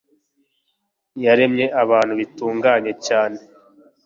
yaremye abantu bitunganye cyane